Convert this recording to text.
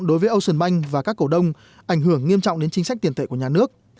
đối với ocean bank và các cổ đông ảnh hưởng nghiêm trọng đến chính sách tiền tệ của nhà nước